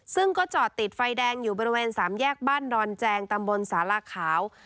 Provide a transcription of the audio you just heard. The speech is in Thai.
ซึ่งก็จอดติดไฟแดงอยู่บริเวณสามแยกบ้านดอนแจงตำบลสาลาขาว